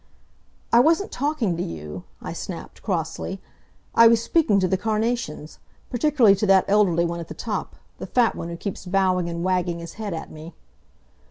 "I wasn't talking to you," I snapped, crossly, "I was speaking to the carnations; particularly to that elderly one at the top the fat one who keeps bowing and wagging his head at me."